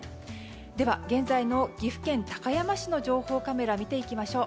では、現在の岐阜県高山市の情報カメラ見ていきましょう。